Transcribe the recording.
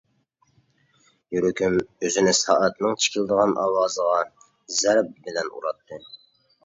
يۈرىكىم ئۆزىنى سائەتنىڭ چىكىلدىغان ئاۋازىغا زەرب بىلەن ئۇراتتى.